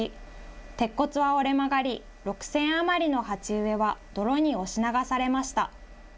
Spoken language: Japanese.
鉄骨は折れ曲がり、６０００余りの鉢植えは泥に押し流されました。